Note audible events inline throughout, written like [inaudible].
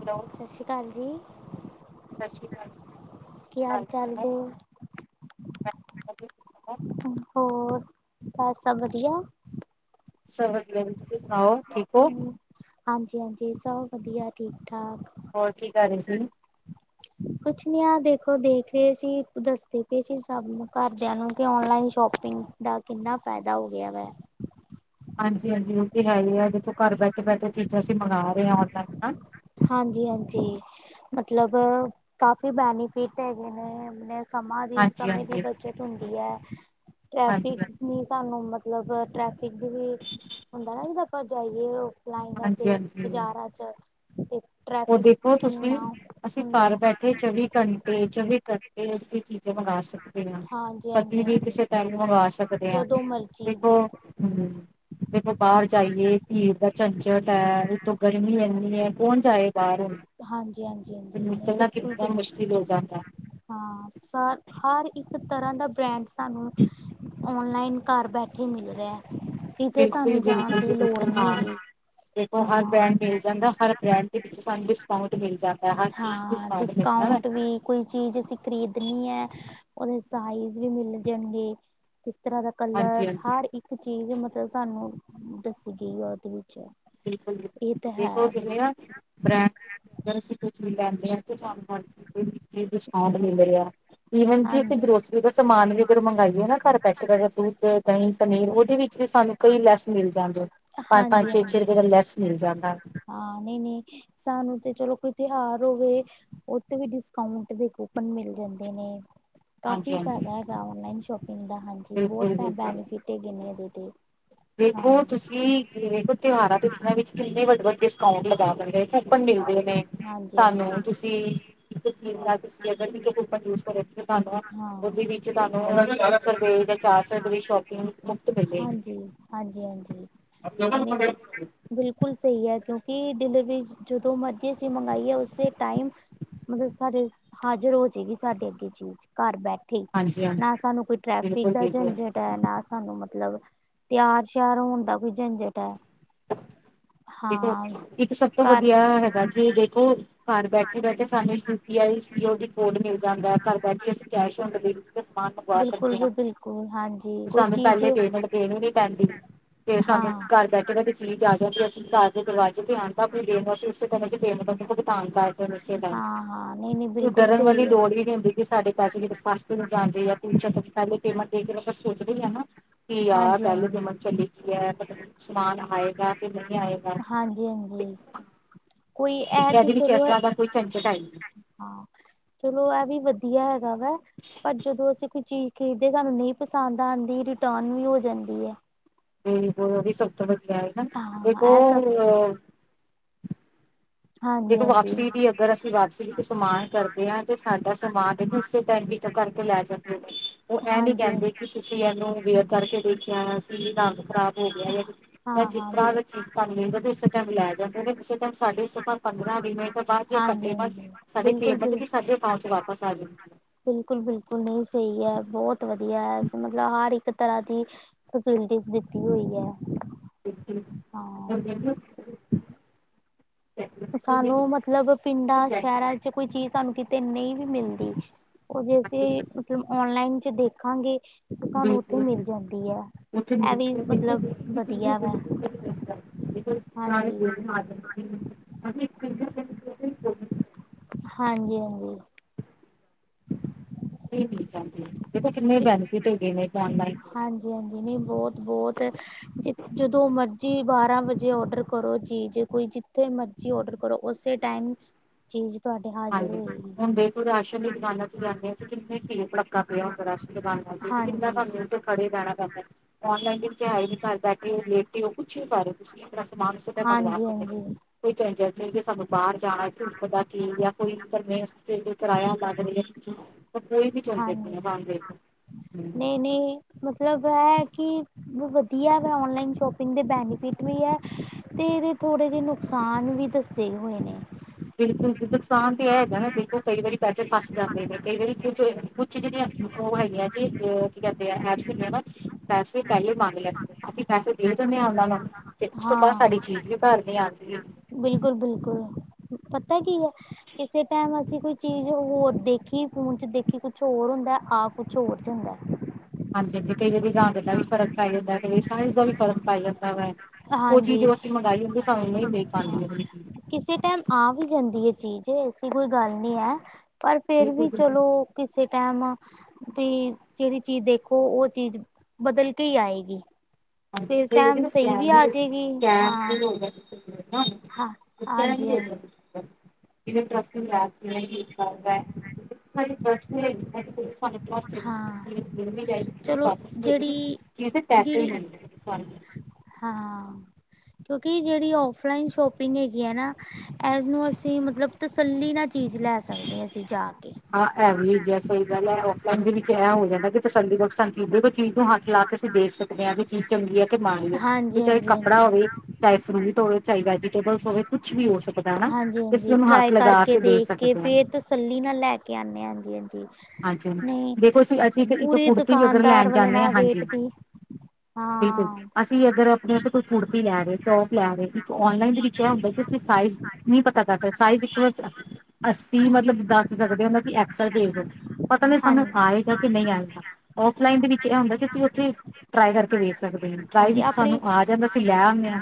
Hello ਸਤਿ ਸ਼੍ਰੀ ਅਕਾਲ ਜੀ ਸਤਿ ਸ੍ਰੀ ਕੀ ਅਕਾਲ ਹਾਲ ਚਾਲ ਜੀ [unintelligible] ਹੋਰ ਘਰ ਸਭ ਵਧੀਆ ਸਭ ਵਧੀਆ ਤੁਸੀਂ ਸੁਣਾਓ ਠੀਕ ਹੋ ਹਾਂਜੀ ਹਾਂਜੀ ਸਭ ਵਧੀਆ ਠੀਕ ਠਾਕ ਹੋਰ ਕੀ ਕਰ ਰਹੇ ਸੀ ਕੁਛ ਨੀ ਆ ਦੇਖੋ ਦੇਖ ਰਹੇ ਸੀ ਦੱਸਦੇ ਪਏ ਸੀ ਸਭ ਨੂੰ ਘਰਦਿਆਂ ਨੂੰ ਕਿ ਆਨਲਾਈਨ ਸ਼ੋਪਿੰਗ ਦਾ ਕਿੰਨਾ ਫਾਇਦਾ ਹੋ ਗਿਆ ਵਾ ਹਾਂਜੀ -ਹਾਂਜੀ ਉਹ ਤੇ ਹੈ ਹੀ ਦੇਖੋ ਘਰ ਬੈਠੇ ਬੈਠੇ ਚੀਜ਼ਾਂ ਅਸੀਂ ਮੰਗਾ ਰਹੇ ਔਨਲਾਈਨ ਹਾਂਜੀ ਹਾਂਜੀ ਮਤਲਬ ਕਾਫੀ ਬੈਨੀਫਿਟ ਹੈਗੇ ਨੇ ਸਮਾਂ ਦੀ ਹਾਂਜੀ ਸਮੇਂ ਦੀ ਹਾਂਜੀ ਬੱਚਤ ਹੁੰਦੀ ਹੈ ਟ੍ਰੈਫਿਕ ਹਾਂਜੀ ਨਹੀਂ ਸਾਨੂੰ ਮਤਲਬ ਟ੍ਰੈਫਿਕ ਦਾ ਵੀ ਹੁੰਦਾ ਨਾ ਜਿਦਾ ਆਪਾਂ ਜਾਈਏ ਲ ਤੇ ਹਾਂਜੀ ਹਾਂਜੀ ਬਾਜ਼ਾਰਾਂ ਚ [unintelligible] ਉਹ ਦੇਖੋ ਤੁਸੀਂ ਕਿੰਨਾ ਅਸੀਂ ਹੁੰਦਾ ਹੈ ਘਰ ਬੈਠੇ ਚੌਵੀ ਘੰਟੇ ਚੌਵੀ ਕਰਕੇ ਅਸੀਂ ਚੀਜ਼ਾਂ ਮੰਗਾ ਸਕਦੇ [unintelligible] ਹਾਂਜੀ ਪਤੀ ਹਾਂਜੀ ਵੀ ਕਿਸੇ ਟਾਈਮ ਮੰਵਾ ਹਾਂਜੀ ਸਕਦੇ ਹਾਂ ਜਦੋਂ ਮਰਜ਼ੀ ਦੇਖੋ ਬਿਲਕੁਲ ਹ [unintelligible] ਦੇਖੋ ਬਾਹਰ ਜਾਈਏ ਭੀੜ ਦਾ ਝੰਜਟ ਹੈ ਉਤੋਂ ਗਰਮੀ ਇੰਨੀ ਹੈ ਕੌਣ ਜਾਏ ਬਾਹਰੋਂ ਹਾਂਜੀ ਹਾਂਜੀ ਹਾਂਜੀ ਨਹੀਂ ਨਿਕਲਣਾ ਬਿਲਕੁਲ ਕਿੰਨਾ ਬਿਲਕੁਲ ਮੁਸ਼ਕਿਲ ਹੋ ਜਾਂਦਾ ਹਾਂ ਹਰ ਇੱਕ ਤਰ੍ਹਾਂ ਦਾ ਬ੍ਰੈਂਡ ਸਾਨੂੰ ਓਨਲਾਈਨ ਘਰ ਬੈਠੇ ਮਿਲ ਰਿਹਾ ਕਿਤੇ ਬਿਲਕੁਲ ਸਾਨੂੰ ਜਾਣ ਬਿਲਕੁਲ ਜੀ ਦੀ ਲੋੜ ਬਿਲਕੁਲ ਨਹੀਂ ਹਾਂ ਹੈਗੀ ਦੇਖੋ ਹਰ ਹਾਂ ਬ੍ਰੈਂਡ ਮਿਲ ਜਾਂਦਾ ਹਰ ਬ੍ਰੈਂਡ ਦੇ ਵਿੱਚ ਸਾਨੂੰ ਡਿਸਕਾਊਂਟ ਮਿਲਦਾ ਹਰ ਚੀਜ਼ ਹਾਂ ਡਿਸਕਾਊਂਟ ਕਰਣਾ ਵੈਂ [unintelligible] ਵੀ ਕੋਈ ਚੀਜ਼ ਅਸੀਂ ਖ਼ਰੀਦਣੀ ਹੈ ਉਹਦੇ ਸਾਈਜ਼ ਵੀ ਮਿਲ ਜਾਣਗੇ ਤਰ੍ਹਾਂ ਦਾ ਹਾਂਜੀ ਕਲਰ ਹਾਂਜੀ ਹਰ ਇੱਕ ਚੀਜ਼ ਮਤਲਬ ਸਾਨੂੰ ਦੱਸੀ ਗਈ ਆ ਉਹਦੇ ਵਿੱਚ ਬਿਲਕੁਲ ਬਿਲਕੁਲ ਇਹ ਤਾਂ ਦੇਖੋ ਹੈ ਚਲਿਆ ਬ੍ਰ ਅਗਰ ਅਸੀਂ ਕੁਝ ਵੀ ਲੈਂਦੇ ਆ ਤੇ ਸਾਨੂੰ ਹਰ ਚੀਜ਼ ਦੇ ਵਿਚ ਡਿਸਕਾਊਂਟ ਮਿਲ ਰਿਹਾ। ਈਵਨ ਕਿ ਅਸੀਂ ਹਾਂਜੀ ਗਰੋਸਰੀ। ਜੇ ਤੇ ਸਮਾਨ ਵੀ ਅਗਰ ਮੰਗਾਈਏ ਨਾ ਘਰ ਬੈਠੇ ਦਾ ਦੁੱਧ ਦਹੀਂ ਪਨੀਰ ਉਹਦੇ ਵਿੱਚ ਵੀ ਸਾਨੂੰ ਕਈ ਲੈਸ ਮਿਲ ਜਾਂਦੀ ਪੰਜ ਹਾਂਜੀ ਪੰਜ ਛੇ ਛੇ ਹਾਂਜੀ ਰੁਪਏ ਦਾ ਲੈਸ ਮਿਲ ਜਾਂਦਾ। ਹਾਂ ਨਹੀਂ-ਨਹੀਂ ਸਾਨੂੰ ਤੇ ਚਲੋ ਕੋਈ ਤਿਉਹਾਰ ਹੋਵੇ। ਉਥੇ ਵੀ ਡਿਸਕਾਊਂਟ ਦੇ ਕੂਪਨ ਮਿਲ ਜਾਂਦੇ ਨੇ। ਹਾਂਜੀ ਕਾਫੀ ਹਾਂਜੀ ਫਾਇਦਾ ਹੈਗਾ ਔਨਲਾਈਨ ਸ਼ੋਪਿੰਗ ਦਾ ਹਾਂਜੀ ਬਹੁਤ ਬਿਲਕੁਲ ਬੈਨੀਫਿਟ ਹੈਗੇ ਨੇ ਇਹਦੇ ਤੇ। ਹਾਂ ਦੇਖੋ ਤੁਸੀਂ [unintelligible] ਤਿਉਹਾਰਾਂ ਦੇ ਵਿੱਚ ਕਿੰਨੇ ਵੱਡੇ ਵੱਡੇ ਡਿਸਕਾਉਂਟ ਲਗਾ ਦਿੰਦੇ ਕੂਪਨ ਮਿਲਦੇ ਨੇ। ਹਾਂਜੀ ਹਾਂਜੀ ਸਾਨੂੰ ਤੁਸੀਂ ਇੱਕ ਚੀਜ਼ ਤੁਸੀਂ ਅਗਰ ਕੂਪਨ ਯੂਜ ਕਰੋ ਤੁਹਾਨੂੰ ਹਾਂ ਉਹਦੇ ਵਿੱਚ ਤੁਹਾਨੂੰ ਬਾਰਾਂ ਸੌ ਰੁਪਏ ਜਾਂ ਚਾਰ ਸੌ ਰੁਪਏ ਸ਼ੋਪਿੰਗ ਮੁਫ਼ਤ ਮਿਲੇਗੀ। ਹਾਂਜੀ ਹਾਂਜੀ ਹਾਂਜੀ ਨਹੀਂ ਹਾਂਜੀ ਨਹੀਂ ਬਿਲਕੁਲ ਸਹੀ ਹੈ ਕਿਉਂਕਿ ਡਿਲਵਰੀ ਜਦੋਂ ਮਰਜ਼ੀ ਅਸੀ ਮੰਗਾਈਏ ਉਸੇ ਟਾਈਮ ਮਤਲਬ ਸਾਡੇ ਹਾਜ਼ਰ ਹੋਏਗੀ ਸਾਡੇ ਅੱਗੇ ਚੀਜ਼। ਘਰ ਬੈਠੇ। ਹਾਂਜੀ ਨਾ ਸਾਨੂੰ ਕੋਈ ਟ੍ਰੈਫਿਕ ਬਿਲਕੁਲ ਦਾ ਬਿਲਕੁਲ ਝੰਜਟ ਹੈ ਨਾ ਸਾਨੂੰ ਮਤਲਬ ਤਿਆਰ ਸ਼ਿਆਰ ਹੋਣ ਦਾ ਕੋਈ ਝੰਜਟ ਹੈ। ਦੇਖੋ ਹਾਂ ਇੱਕ ਸਭ ਤੋਂ ਘਰ ਵਧੀਆ ਹੈਗਾ ਜੀ ਦੇਖੋ। ਘਰ ਬੈਠੇ ਬੈਠੇ ਸਾਨੂੰ U P I COD code ਮਿਲ ਜਾਂਦਾ ਘਰ ਬੈਠੇ ਅਸੀਂ ਕੈਸ਼ ਆਨ ਡਿਲੀਵਰੀ ਸਮਾਨ ਮੰਗਵਾ ਬਿਲਕੁਲ ਸਕਦੇ ਹਾਂ। ਵੀ ਬਿਲਕੁਲ ਹਾਂਜੀ ਕੋਈ ਸਾਨੂੰ ਚੀਜ਼ ਪਹਿਲੇ ਪੇਮੈਂਟ ਦੇਣੀ ਨਹੀਂ ਪੈਂਦੀ। ਤੇ ਹਾਂ ਸਾਨੂੰ ਘਰ ਬੈਠੇ ਬੈਠੇ ਚੀਜ਼ ਆ ਜਾਂਦੀ ਐ। ਘਰ ਦੇ ਦਰਵਾਜ਼ੇ ਤੇ ਆਉਣ ਦਾ ਫੇਰ [unintelligible] ਭੁਗਤਾਨ ਕਰ ਕਿਸੇ ਦਾ ਹਾਂ ਹਾਂ ਨਹੀਂ ਨਹੀਂ ਤਾਂ ਬਿਲਕੁਲ ਡਰਨ ਵਾਲੀ ਸਹੀ ਹੈ ਲੋੜ ਵੀ ਨਹੀਂ ਹੁੰਦੀ। ਵੀ ਸਾਡੇ ਪੈਸੇ ਕਿਤੇ ਫਸ ਤੇ ਨਹੀਂ ਜਾਂਦੇ ਆ ਜਾਂ ਪਹਿਲੇ ਪੇਮੈਂਟ ਦੇ ਕੇ ਆਪਾਂ ਸੋਚਦੇ ਹੀ ਆ ਨਾ। ਕੀ ਯਾਰ ਹਾਂਜੀ ਪਹਿਲੇ [inaudible] ਹਾਂਜੀ ਕੀ ਹੈ। ਮਤਲਬ ਸਮਾਨ ਆਏਗਾ ਕਿ ਨਹੀਂ। ਆਏਗਾ ਹਾਂਜੀ-ਹਾਂਜੀ ਕੋਈ ਇਹ ਤੇ ਇਹਦੇ ਵਿੱਚ ਇਸ ਚਲੋ। ਤਰ੍ਹਾਂ ਦਾ ਕੋਈ ਝੰਜਟ ਹੈ ਨਹੀਂ ਹਾਂ। ਚਲੋ ਇਹ ਵੀ ਵਧੀਆ ਹੈਗਾ ਵਾ, ਪਰ ਜਦੋਂ ਅਸੀਂ ਕੋਈ ਚੀਜ਼ ਕਿਸੇ ਵੇਲੇ ਸਾਨੂੰ ਨਹੀਂ ਪਸੰਦ ਆਉਂਦੀ। ਰਿਟਰਨ ਵੀ ਹੋ ਜਾਂਦੀ ਹੈ। ਤੇ ਉਹ ਵੀ ਸਭ ਤੋਂ ਵਧੀਆ ਹੈ ਨਾ ਇੱਕ ਹਾਂ ਇਹ ਸਭ ਉਹ ਅ ਦੇਖੋ ਹਾਂਜੀ-ਹਾਂਜੀ, ਵਾਪਸੀ ਦੀ ਅਗਰ ਅਸੀਂ ਵਾਪਸੀ ਵੀ ਕੋਈ ਸਮਾਨ ਕਰਦੇ ਹਾਂ। ਤੇ ਸਾਡਾ ਸਮਾਨ, ਇਹਨੂੰ ਉਸੇ ਟਾਈਮ ਉਸੇ ਟਾਈਮ ਪਿਕ ਕਰਕੇ ਲੈ ਜਾਂ। ਉਹ ਇਹ ਨੀ ਹਾਂਜੀ ਕਹਿੰਦੇ ਕਿ। ਤੁਸੀਂ ਯੇਲੋ ਨੂੰ ਵੀਅਰ ਕਰਕੇ ਦੇਖਿਆ ਸੀ ਰੰਗ ਖਰਾਬ ਹੋ ਗਿਆ ਜਾਂ ਜਿਸ ਹਾਂ-ਹਾਂ ਤਰ੍ਹਾਂ ਬਿਲ ਦਾ ਚੀਜ਼ ਭ ਇਸੇ ਟਾਈਮ ਲੈ ਜਾਂਦਾ ਨੇੇ ਟਾਈਮ ਸਾਡੇ। ਪੰਦਰਾਂ-ਵੀਹ ਮਿੰਟ ਬਾਅਦ ਜਾਂ ਘੰਟੇ ਬਾਅਦ, ਹਾਂਜੀ-ਹਾਂਜੀ ਬਿਲਕੁਲ ਹਾਂਜੀ ਹਾਂਜੀ ਸਾਡੇ ਬਿਲਕੁਲ ਪੇਮੈਂਟ ਬਿਲ ਵੀ ਸਾਡੇ ਅਕਾਊਂਟ ਚ ਵਾਪਸ ਆ ਜਾਣਗੀ। ਬਿਲਕੁਲ-ਬਿਲਕੁਲ ਨਹੀਂ ਸਹੀ ਹੈ, ਬਹੁਤ ਵਧੀਆ ਹੈ ਸਮਝ ਆ ਰਹੀ ਇੱਕ ਤਰ੍ਹਾਂ ਦੀ ਫੈਸਿਲਿਟੀਜ ਦਿੱਤੀ ਹੋਈ ਹੈ। ਸਾਨੂੰ ਮਤਲਬ ਪਿੰਡਾਂ, ਸ਼ਹਿਰਾਂ ਚ ਕੋਈ ਚੀਜ਼ ਸਾਨੂੰ ਕਿਤੇ ਨਹੀਂ ਵੀ ਮਿਲਦੀ। ਉਹ ਵੀ ਅਸੀਂ ਮਤਲਬ ਆਨਲਾਈਨ ਚ ਦੇਖਾਂਗੇ। ਸਾਨੂੰ ਉੱਥੇ ਬਿਲਕੁਲ ਮਿਲ ਜਾਂਦੀ ਹੈ। ਉੱਥੇ ਇਹ ਵੀ ਬਿਲਕੁਲ ਮਤਲਬ ਇੱਥੇ ਵਧੀਆ ਵਾ ਬਿਲਕੁਲ ਸਾਰੇ ਹਾਂਜੀ। ਬੋਲਣ [inaudible] [inaudible] ਹਾਂਜੀ-ਹਾਂਜੀ। [unintelligible] ਦੇਖੋ ਕਿੰਨੇ ਬੈਨੀਫਿਟ ਹੈਗੇ ਨੇ ਇਹਦੇ ਆਨਲਾਈਨ। ਹਾਂਜੀ-ਹਾਂਜੀ ਨਹੀਂ ਬਹੁਤ-ਬਹੁਤ ਜ ਜਦੋਂ ਮਰਜੀ ਬਾਰਾਂ ਵਜੇ ਆਰਡਰ ਕਰੋ ਚੀਜ਼ ਕੋਈ ਜਿੱਥੇ ਮਰਜੀ ਆਰਡਰ ਕਰੋ ਉਸੇ ਟਾਈਮ ਚੀਜ਼ ਤੁਹਾਡੇ ਹੱਥ ਹਾਂਜੀ ਹੁਣ ਦੇਖੋ ਰਾਸ਼ਨ ਦੀ ਦੁਕਾਨਾਂ ਚ ਜਾਂਦੇ ਹਾਂ ਤੇ ਕਿੰਨਾ ਪੀੜ ਭੜੱਕਾ ਪਿਆ ਹੁੰਦਾ ਰਾਸ਼ਨ ਦੁਕਾਨਾਂ ਚ ਕਿੰਨਾ ਹਾਂਜੀ ਸਾਨੂੰ ਉਥੇ ਖੜੇ ਰਹਿਣਾ ਪੈਂਦਾ ਔਨਲਾਈਨ ਦੇ ਵਿਚ ਹੈ ਹੀ ਨਹੀਂ ਘਰ ਬੈਠੇ ਲੇ ਉਹ ਕੁਛ ਵੀ ਕਰ ਤੁਸੀਂ ਆਪਣਾ ਸਮਾਨ ਸਿੱਧਾ ਮੰਗਵਾ ਹਾਂਜੀ ਸਕਦੇ ਹੋ ਹਾਂਜੀ ਕੋਈ ਝੰਜਟ ਨਹੀਂ ਵੀ ਸਾਨੂੰ ਬਾਹਰ ਜਾਣਾ ਧੂਪ ਦਾ ਕੀ ਜਾਂ ਕੋਈ [inaudible] ਜੇ ਕੋਈ ਫੜਾਇਆ ਹੁੰਦਾ [inaudible] ਤਾਂ ਕੋਈ ਵੀ ਚਲ ਜ ਹਾਂਜੀ ਨਹੀਂ-ਨਹੀਂ ਮਤਲਬ ਇਹ ਕਿ ਵਧੀਆ ਵਾ ਔਨਲਾਈਨ ਸ਼ੋਪਿੰਗ ਦੇ ਬੈਨੀਫਿਟ ਵੀ ਹੈ। ਅਤੇ ਇਹਦੇ ਥੋੜ੍ਹੇ ਜਿਹੇ ਨੁਕਸਾਨ ਵੀ ਦੱਸੇ ਹੋਏ ਨੇ। ਬਿਲਕੁਲ ਨੁਕਸਾਨ ਤੇ ਇਹ ਹੈਗਾ ਨਾ ਬਿਲਕੁਲ ਕਈ ਵਾਰੀ ਪੈਸੇ ਫਸ ਜਾਂਦੇ ਨੇ। ਕਈ ਵਾਰੀ ਕੁੱਝ ਕੁਛ ਜਿਹੜੀਆਂ ਉਹ ਹੈਗੀਆਂ ਜੀ ਕੀ ਕਹਿੰਦੇ ਆ ਐਪਸ ਹੈਗੀਆਂ ਵਾ। ਪੈਸੇ ਪਹਿਲੇ ਮੰਗ ਲੈਂਦੇ ਆ। ਅਸੀਂ ਪੈਸੇ ਦੇ ਦਿੰਦੇ ਹਾਂ ਉਹਨਾਂ ਨੂੰ। ਤੇ ਉਸ ਤੋਂ ਬਾਅਦ ਹਾਂ ਸਾਡੀ ਚੀਜ਼ ਵੀ ਘਰ ਨਹੀਂ ਆਉਂਦੀ। ਬਿਲਕੁਲ-ਬਿਲਕੁਲ ਪਤਾ ਕੀ ਹੈ। ਕਿਸੇ ਟਾਈਮ ਅਸੀਂ ਕੋਈ ਚੀਜ਼ ਹੋਰ ਦੇਖੀ। ਫੋਨ ਚ ਦੇਖੀ ਕੁਛ ਹੋਰ ਹੁੰਦਾ ਆ ਕੁਛ ਹੋਰ ਜਾਂਦਾ ਹੈ। ਹਾਂਜੀ-ਹਾਂਜੀ ਕਈ ਵਾਰੀ ਰੰਗ ਦਾ ਵੀ ਫਰਕ ਪੈ ਜਾਂਦਾ ਕਈ ਵਾਰੀ ਸਾਈਜ਼ ਦਾ ਵੀ ਫਰਕ ਪੈ ਜਾਂਦਾ ਵਾ। ਉਹ ਚੀਜ਼ ਹਾਂਜੀ ਜੋ ਅਸੀਂ ਮੰਗਾਈ ਹੁੰਦੀ ਸਾਨੂੰ ਨਹੀਂ ਮਿਲ ਪਾਉਂਦੀ ਉਹ ਚੀਜ। ਤੇ ਆ ਵੀ ਜਾਂਦੀ ਹੈ ਚੀਜ਼ ਐਸੀ ਕੋਈ ਗੱਲ ਨਹੀਂ ਹੈ ਪਰ ਫਿਰ ਬਿਲਕੁਲ ਵੀ ਬਿਲਕੁਲ ਚਲੋ ਕਿਸੇ ਟਾਈਮ ਵੀ ਜਿਹੜੀ ਚੀਜ਼ ਦੇਖੋ ਉਹ ਚੀਜ਼ ਬਦਲ ਕੇ ਹੀ ਆਏਗੀ। ਤੇ ਇਸ ਟਾਈਮ ਸਹੀ ਵੀ ਆ ਜਾਏਗੀ ਹਾਂ ਹਾਂ [unintelligible] ਕੁਛ ਕਹਿਣਗੇ ਹਾਂਜੀ ਉੱਧਰ ਹਾਂਜੀ ਕਿਂਵੇਂ ਟ੍ਰਸ੍ਟ ਨੀ ਯਾਰ, ਕਿਂਵੇਂ ਕੀ ਕਰਦੇ, [unintelligible] ਤੁਹਾਡਾ ਟ੍ਰਸ੍ਟ ਏ ਚੀਜ਼ ਹਾਂ ਮਿਲ ਵੀ ਜਾਏਗੀ, ਚਲੋ ਵਾਪਿਸ ਵੀ ਹੋਜੇਗੀ, ਜਿਹੜੀ ਚੀਜ ਦੇ ਪੈਸੇ ਵੀ ਜਿਹੜੀ ਮਿਲਣਗੇ। ਸਾੰਨੁਂ ਹਾਂ, ਕਿਉਂਕਿ ਜਿਹੜੀ ਔਫਲਾਈਨ ਸ਼ੋਪਿੰਗ ਹੈਗੀ ਹੈ ਨਾ ਐਤ ਨੂੰ ਅਸੀਂ ਮਤਲਬ ਤਸੱਲੀ ਨਾ ਚੀਜ਼ ਲੈ ਸਕਦੇ ਹਾਂ, ਅਸੀਂ ਜਾਕੇ। ਹਾਂ, ਐ ਵੀ ਸਹੀ ਗੱਲ ਹੈ, ਔਫਲਾਈਨ ਦੇ ਵਿੱਚ ਐਂ ਹੋ ਜਾਂਦਾ ਕਿ, ਤਸੱਲੀ ਨਾਲ ਕੋਈ ਚੀਜ਼ ਨੂੰ ਲਾਕੇ ਅਸੀਂ ਦੇਖ ਸਕਦੇ ਹਾਂ, ਵੀ ਚੀਜ਼ ਚੰਗੀ ਆ ਕੀ ਮਾਣੀ ਆ, ਤੇ ਹਾਂਜੀ ਚਾਹੇ ਹਾਂਜੀ ਹਾਂਜੀ ਕੱਪੜਾ ਹੋਵੇ, ਚਾਹੇ ਫਰੂਟ ਹੋਵੇ, ਚਾਹੇ ਵੈਜੀਟੇਬਲਸ ਹੋਵੇ ਕੁਛ ਵੀ ਹੋ ਸਕਦਾ ਹਨਾ, ਹਾਂਜੀ ਹਾਂਜੀ ਇਸਨੂੰ ਹੱਥ ਟਰਾਈ ਕਰਕੇ ਲਗਾਕੇ ਦੇਖ ਕੇ ਸਕਦੇ ਹਾਂ ਫੇਰ ਤਸੱਲੀ ਨਾਲ ਲੈਕੇ ਆਂਨੇ ਹਾਂ, ਹਾਂਜੀ-ਹਾਂਜੀ। ਹਾਂਜੀ-ਹਾਂਜੀ, ਦੇਖੋ ਅਸੀਂ, ਅਸੀਂ ਇੱਕ ਕੁੜਤੀ ਵੀ ਅਗਰ ਦੁਕਾਨਦਾਰ ਲੈਣ ਵਾਲੇ ਜਾਂਨੇ ਹਾਂ, ਨਾਲ ਰੇਟ ਹਾਂਜੀ ਦੀ ਬਿਲਕੁਲ, ਹਾਂ ਅਸੀਂ ਅਗਰ ਅਪਣੇ ਵਾਸਤੇ ਕੋਈ ਕੂੜਤੀ ਲੈ ਰਹੇ, ਟੌਪ ਲੈ ਰਹੇ ਔਨਲਾਈਨ ਦੇ ਵਿੱਚੋ ਅਹ ਤੁਸੀ ਸਾਈਜ਼ ਨਹੀਂ ਪਤਾ ਕਰ ਸਕਦੇ, ਸਾਈਜ਼ ਇੱਕ ਬਸ ਅੱਸੀ ਮਤਲਬ ਦੱਸ ਸਕਦੇ ਹਾਂ, ਕਿ ਐਕਸਲ ਭੇਜਦੋ, ਪਤਾ ਨਹੀਂ ਸਾਨੂੰ ਹਾਂਜੀ ਆਏਗਾ ਕਿ ਨਹੀਂ ਆਇਗਾ, ਔਫਲਾਈਨ ਦੇ ਵਿੱਚ ਇਹ ਹੁੰਦਾ ਕਿ ਅਸੀਂ ਉੱਥੇ ਟ੍ਰਾਈ ਕਰਕੇ ਵੇਖ ਦੇ ਟ੍ਰਾਈ ਹਾਂਜੀ ਵਿੱਚ ਸਾਨੂੰ ਆਪਣੀ ਆ ਜਾਂਦਾ ਅਸੀਂ ਲੈ ਆਨੇ ਹਾਂ,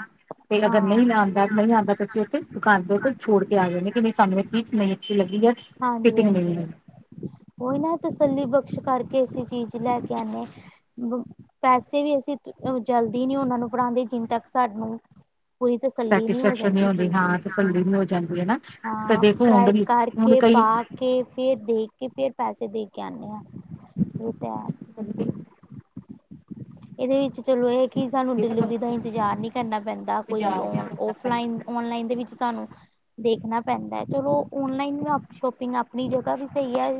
ਤੇ ਅਗਰ ਹਾਂ ਨਈ ਆਂਦਾ, ਨਈ ਆਉਂਦਾ ਤੇ ਅਸੀਂ ਉੱਥੇ ਦੁਕਾਨ ਤੇ ਕੋਈ ਛੋੜਕੇ ਆ ਜਾਂਨੇ ਆ, ਕਿ ਸਾਨੂੰ ਚੀਜ਼ ਨਈ ਅੱਛੀ ਲੱਗੀ ਹੈ ਹਾਂਜੀ, ਫਿਟਿੰਗ ਨਹੀਂ ਹਾਂਜੀ, ਉਹੀ ਨਾ ਤਸੱਲੀ ਬਖਸ਼ ਕਰਕੇ ਅਸੀਂ ਚੀਜ਼ ਲੈਕੇ ਆਂਨੇ ਆ ਪੈਸੇ ਵੀ ਅਸੀਂ ਜਲਦੀ ਨੀ ਉਹਨਾਂ ਨੂੰ ਫੜਾਂਦੇ, ਜਿਨ ਤੱਕ ਸਾਨੂੰ ਪੂਰੀ ਤਸੱਲੀ ਨਹੀਂ ਹੋ ਸੈਟਿਸਫੈਕਸ਼ਨ ਜਾਂਦੀ ਹੁੰਦੀ ਚੀਜ ਹਾਂ ਦੀ, ਤਸੱਲੀ ਹੂੰ, ਨਹੀਂ ਹੋ ਜਾਂਦੀ ਹੈ ਨਾ ਤਾਂ ਹਾਂ, ਦੇਖੋ ਹੁਣ ਟ੍ਰਾਈ ਵੀ ਹੁਣ ਕਰਕੇ ਕਈ ਪਾਕੇ, ਫੇਰ ਦੇਖਕੇ, ਫੇਰ ਪੈਸੇ ਦੇਕੇ ਆਂਨੇ ਹਾਂ। ਓਹ ਤੇ, ਹੈ, ਬਿਲਕੁਲ। ਇਹਦੇ ਵਿੱਚ ਚਲੋ, ਇਹ ਕਿ ਸਾਨੂੰ ਡਿਲੀਵਰੀ ਦਾ ਇੰਤਜ਼ਾਰ ਨਹੀਂ ਕਰਨਾ ਪੈਂਦਾ, ਕੋਈ ਬਾਜ਼ਾਰ ਵੀ ਕਰਨਾ ਪੈਂਦਾ ਔਨ--ਔਫਲਾਈਨ ਔਨਲਾਈਨ ਦੇ ਵਿੱਚ ਸਾਨੂੰ ਦੇਖਣਾ ਪੈਂਦਾ ਹੈ। ਚਲੋ, ਔਨਲਾਈਨ ਵੀ ਸ਼ੋਪਿੰਗ ਆਪਣੀ ਜਗ੍ਹਾ ਵੀ ਸਹੀ ਹੈ।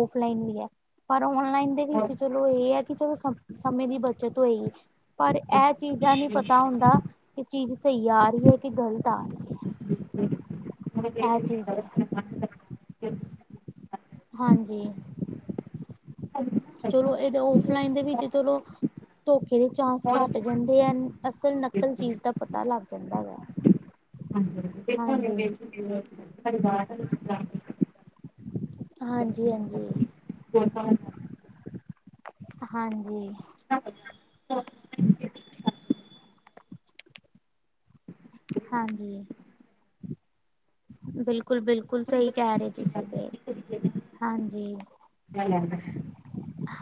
ਔਫਲਾਈਨ ਵੀ ਹੈ, ਪਰ ਔਨਲਾਈਨ ਦੇ ਵਿੱਚ ਚਲੋ ਇਹ ਆ ਕਿ ਚਲੋ, ਸਮੇਂ ਦੀ ਬੱਚਤ ਹੋਈ, ਪਰ ਐ ਚੀਜ਼ ਦਾ ਨਹੀਂ ਪਤਾ ਹੁੰਦਾ ਕਿ ਚੀਜ਼ ਸਹੀ ਆ ਰਹੀ ਏ, ਕਿ ਗ਼ਲਤ ਆ ਰਹੀ ਏ। ਮ [unintelligible] ਹਾਂਜੀ। ਚਲੋ, ਇਹ‌ ਤਾ ਔਫਲਾਈਨ ਦੇ ਵਿੱਚ ਚਲੋ ਧੋਖੇ ਦੇ ਚਾਂਸ ਘੱਟ ਜਾਂਦੇ ਆ, ਅਸਲ, ਨਕਲ ਚੀਜ਼ ਦਾ ਪਤਾ ਲੱਗ ਜਾਂਦਾ ਵੈ। ਹਾਜੀ, ਦੇਖੋ [unintelligible] ਬ ਹਾਂਜੀ ਹਾਂਜੀ ਦੋ ਸਾਲਾਂ ਤੋਂ ਹਾਂਜੀ। [inaudible] ਹਾਂਜੀ। ਬਿਲਕੁਲ-ਬਿਲਕੁਲ ਸਹੀ ਕਹਿ ਰਹੇ ਤੁਸੀਂ ਤੇ, ਹਾਂਜੀ।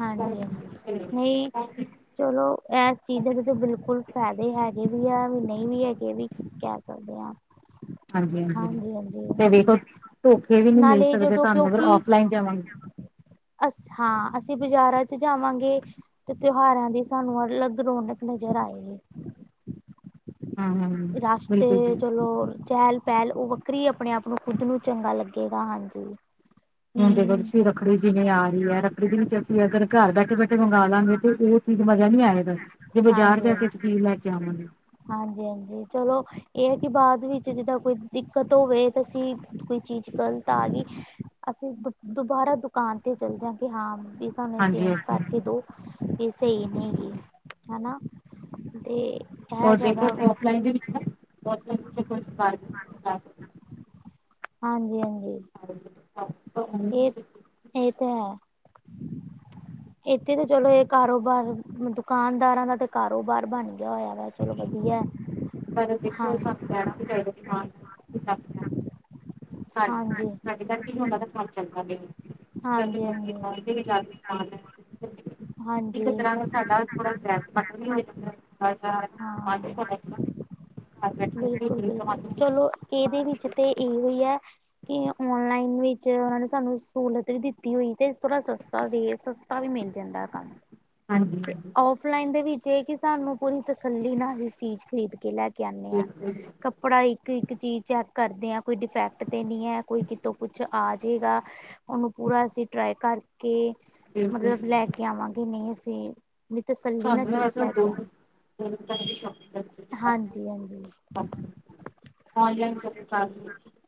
ਹਾਂਜੀ, ਹਾਂਜੀ, ਨਹੀਂ ਚਲੋ, ਐਸ ਚੀਜ਼ ਦੇ ਤਾਂ ਬਿਲਕੁਲ ਫਾਇਦੇ ਹੈਗੇ ਵੀ ਹੈਗੇ ਵੀ ਆ, ਨਹੀਂ ਵੀ ਹੈਗੇ, ਵੀ ਕਹਿ ਸਕਦੇ ਹਾਂ। ਹਾਂਜੀ-ਹਾਂਜੀ, ਹਾਂਜੀ ਹਾਂਜੀ ਤੇ ਵੇਖੋ ਧੋਖੇ ਵੀ ਨੀ ਮਿਲ ਨਾਲੇ ਸਕਦੇ ਜਦੋਂ ਸਾਨੂੰ, ਅਗਰ ਕਿਉਂਕਿ ਔਫਲਾਈਨ ਜਾਵਾਂਗੇ। ਅਸ ਹਾਂ। ਅਸੀਂ ਬਜ਼ਾਰਾਂ'ਚ ਜਾਵਾਂਗੇ ਤੇ, ਤਿਉਹਾਰਾਂ ਦੀ ਸਾਨੂੰ ਅਲੱਗ ਰੌਣਕ ਨਜ਼ਰ ਆਏਗੀ। ਹਾਂ ਹਾਂ ਬਿਲਕੁਲ ਰਾਸਤੇ ਜੀ ਚਲੋ ਚਹਿਲ-ਪਹਿਲ, ਉਹ ਵੱਖਰੀ ਆਪਣੇ-ਆਪ ਨੂੰ ਖੁਦ ਨੂੰ ਚੰਗਾ ਲੱਗੇਗਾ, ਹਾਂਜੀ। ਮੁੰਡੇ ਦਾ ਹਮ ਸੀ ਰੱਖ ਖੜੀ ਜਿਵੇਂ ਆ ਰਹੀ ਹੈ, ਰੱਖੜੀ ਵਿੱਚ ਅਸੀਂ ਅਗਰ ਘਰ ਬੈਠੇ-ਬੈਠੇ ਮੰਗਾਲਾਂਗੇ ਤੇ ਉਹ ਚੀਜ਼ ਮਜ਼ਾ ਨਹੀਂ ਆਇਗਾ। ਤੇ, ਬਜ਼ਾਰ ਹਾਂਜੀ ਹਾਂਜੀ ਜਾਕੇ ਅਸੀਂ ਕੀ ਲੈਕੇ ਆਵਾਂਗੇ? ਹਾਂਜੀ-ਹਾਂਜੀ, ਚਲੋ, ਇਹ ਹੈ ਕਿ ਬਾਅਦ ਵਿੱਚ ਜਿੱਦਾਂ ਕੋਈ ਦਿੱਕਤ ਹੋਵੇ ਤਾਂ ਅਸੀਂ ਕੋਈ ਚੀਜ਼ ਗਲਤ ਆ ਗੀ, ਅਸੀਂ ਦੁਬ ਦੁਬਾਰਾ ਦੁਕਾਨ ਤੇ ਚੱਲ ਜਾਗੇ। ਹਾਂ, ਬੀ ਸਾਨੂੰ ਇਹ ਹਾਂਜੀ ਚੇਂਜ ਹਾਂਜੀ ਕਰਕੇ ਦੋ, ਬੀ ਇਹ ਸਹੀ ਨੀ ਗੀ ਹੈ ਨਾ ਤੇ ਜ਼ਿਆਦਾ [unintelligible] ਹਾਂਜੀ, ਹਾਂਜੀ। [unintelligible] ਇਹ, ਇਹ ਤੇ ਹੈ। ਇੱਥੇ ਤੇ ਚਲੋ ਏਹ ਕਾਰੋਬਾਰ, ਦੁਕਾਨਦਾਰਾਂ ਦਾ ਤੇ ਕਾਰੋਬਾਰ ਬਣ ਵਧ ਹੋਇਆ ਵਾ, ਚਲੋ ਵਧੀਆ। ਪਰ ਹਾਂ ਦੇਖੋ ਸਾਨੂੰ ਕਹਿਣਾ ਵੀ ਚਾਹੀਦਾ ਕਿ [inaudible] ਸਾਡ, ਸਾਡੇ ਕਰਕੇ ਈ ੳਨਾ ਦਾ ਕਾਨ ਚੱਲਦਾ ਪੇ [unintelligible] [unintelligible] ਇੱਕ ਹਾਂਜੀ-ਹਾਂਜੀ-ਹਾਂਜੀ-ਹਾਂਜੀ ਤਰਾ ਦਾ ਹਾਂ ਬਿਲਕੁਲ ਬਿਲਕੁਲ [unintelligible] [unintelligible] ਚਲੋ ਇਹਦੇ ਵਿਚ ਨਿਕਲ ਤੇ ਕੇ ਬੜਾ ਏਹੋ ਈ ਐ ਏ ਔਨਲਾਈਨ ਵਿੱਚ ਉਹਨਾਂ ਨੇ ਸਾਨੂੰ ਸਹੂਲਤ ਵੀ ਦਿੱਤੀ ਹੋਈ ਤੇ ਥੋੜ੍ਹਾ ਸਸ [unintelligible] ਦੇ ਸਸਤਾ ਵੀ ਮਿਲ ਜਾਂਦਾ ਹੈਗਾ। [unintelligible] [inaudible] ਤੇ ਹਾਂਜੀ ੳਫਲਾਈਨ ਦੇ ਵਿੱਚ ਇਹ ਵੇਖ ਕਿ ਸਾਨੂੰ ਪੂਰੀ ਤਸੱਲੀ ਨਾਲ ਹੀ ਚੀਜ਼ ਖਰੀਦ ਕੇ ਲੈ ਕੇ ਆਨੇ ਆ ਬਿਲਕੁਲ ਜੀ ਪੜ੍ਹਾਈ ਇੱਕ-ਇੱਕ ਚੀਜ਼ ਚੈੱਕ ਕਰਦੇ ਆ ਕੋਈ ਡਿਫੈਕਟ ਤੇ ਨਹੀਂ ਹੈ ਕੋਈ ਕਿਤੋਂ ਕੁਛ ਆ ਜੇਗਾ ਉਹਨੂੰ ਪੂਰਾ ਅਸੀਂ ਟਰਾਈ ਕਰਕੇ, ਬਿਲਕੁਲ ਮਤਲਬ ਜੀ ਲੈ ਕੇ ਆਵਾਂਗੇ ਨਹੀਂ ਅਸੀਂ ਵੀ ਤਸੱਲੀ ਨਾਲ ਸਾਨੂੰ ਨਾ ਚੀਜ਼ ਵੈਸੇ ਲੈ ਕੇ ਆਵ ਦੋਨੋਂ [inaudible] ਹਾਂਜੀ, ਹਾਂਜੀ ਔਫਲਾਈਨ [unintelligible]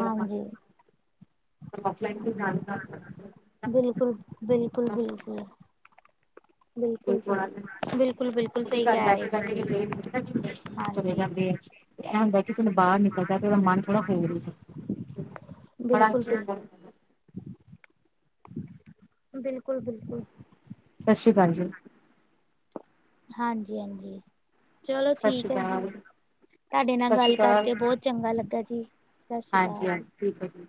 ਹਾਂਜੀ ਬਿਲਕੁਲ, ਬਿਲਕੁਲ, ਬਿਲਕੁਲ [unintelligible] ੜ ਬਿਲਕੁਲ ਸਹੀ। ਬਿਲਕੁਲ ਬਿਲਕੁਲ ਉਹਦੇ ਸਹੀ ਘਰ ਕਹਿ ਰਹੇ ਬੈਠੇ-ਬੈਠੇ ਤੁਸੀਂ ਵੀ ਕ [unintelligible] ਚਲੇ ਹਾਂਜੀ। ਜਾਂਦੇ ਆ ਤੇ ਇਹ ਹੁੰਦਾ ਕਿ ਚਲੋ ਬਾਹਰ ਨਿਕਲਦੇ ਥੋੜਾ ਤੇ ਉਹਦਾ ਮਨ ਥੋੜਾ ਹੋ ਬੜਾ ਬਿਲਕੁਲ ਅਛੇ ਬਿਲ ਬਿਲਕੁਲ, ਬਿਲਕੁਲ ਸਸ ਸ੍ਰੀ ਕਾਲ ਜੀ ਹਾਂਜੀ ਹਾਂਜੀ ਚਲੋ ਸਤਿ ਸ਼੍ਰੀ ਠੀਕ ਹੈ ਫਿਰ, ਅਕਾਲ ਤਹਾਡੇ ਨਾਲ ਸਤਿ ਸ਼੍ਰੀ ਗੱਲ ਅਕਾਲ ਕਰਕੇ ਬਹੁਤ ਚੰਗਾ ਲੱਗਾ ਜੀ ਸਤਿ ਸ਼੍ਰੀ ਹਾਂਜੀ ਹਾਂਜੀ ਅਕਾਲ। ਠੀਕ ਹੈ ਜੀ